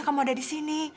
saya sudah berhenti